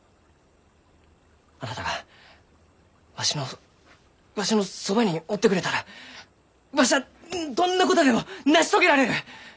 あなたがわしのわしのそばにおってくれたらわしはどんなことでも成し遂げられる！